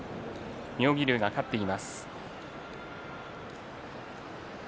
妙義龍が勝っています。